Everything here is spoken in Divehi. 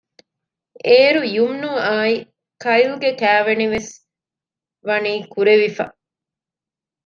އޭރު ޔުމްނުއާއި ކައިލްގެ ކާވެނިވެސް ވަނީ ކުރެވިފަ